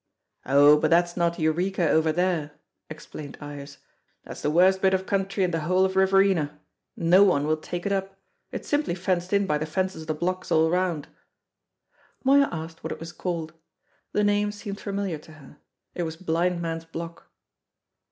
"Oh, but that's not Eureka over there," explained Ives; "that's the worst bit of country in the whole of Riverina. No one will take it up; it's simply fenced in by the fences of the blocks all round." Moya asked what it was called. The name seemed familiar to her. It was Blind Man's Block.